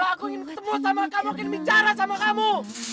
aku ingin bicara sama kamu